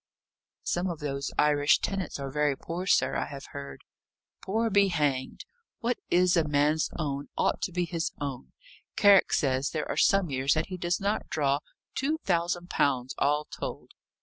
"Some of those Irish tenants are very poor, sir, I have heard." "Poor be hanged! What is a man's own, ought to be his own. Carrick says there are some years that he does not draw two thousand pounds, all told."